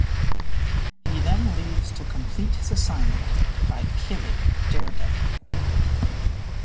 He then leaves to complete his assignment by killing Daredevil.